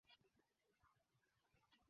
mahala pa kazi na mwezi juni mwaka huu serikali